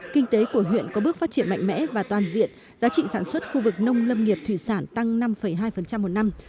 kinh tế của huyện có bước phát triển mạnh mẽ và toàn diện giá trị sản xuất khu vực nông lâm nghiệp thủy sản tăng năm hai một năm